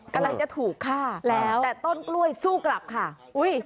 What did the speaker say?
กำลังจะถูกฆ่าแล้วแต่ต้นกล้วยสู้กลับค่ะอุ้ย